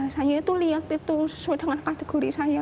saya itu lihat itu sesuai dengan kategori saya